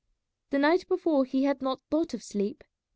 The night before he had not thought of sleep.